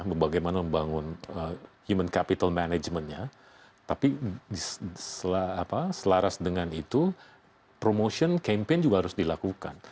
membangun human capital managementnya tapi selaras dengan itu promotion campaign juga harus dilakukan